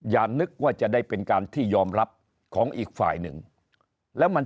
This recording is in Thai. อย่านึกว่าจะได้เป็นการที่ยอมรับของอีกฝ่ายหนึ่งแล้วมัน